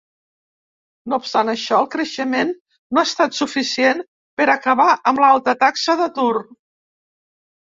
No obstant això el creixement no ha estat suficient per acabar amb l'alta taxa d'atur.